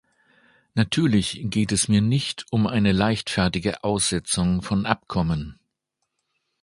Natürlich geht es mir nicht um eine leichtfertige Aussetzung von Abkommen.